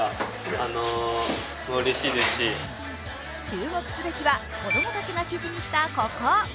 注目すべきは子供たちが記事にしたここ。